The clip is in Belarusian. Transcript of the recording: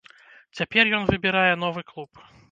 Цяпер ён выбірае новы клуб.